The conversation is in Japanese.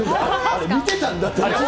見てたんだって。